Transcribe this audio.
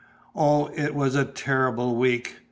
Oh, it was a terrible week!